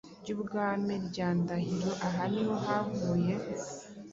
ryubwami rya Ndahiro, aha niho havuye